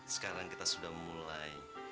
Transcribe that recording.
sekarang kita sudah mulai